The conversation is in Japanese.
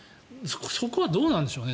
そこはどうなんでしょうね。